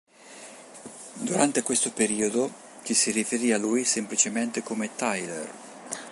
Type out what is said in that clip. Durante questo periodo, ci si riferì a lui semplicemente come "Tyler".